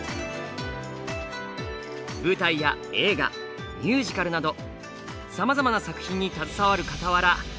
舞台や映画ミュージカルなどさまざまな作品に携わるかたわら